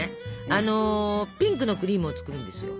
あのピンクのクリームを作るんですよ。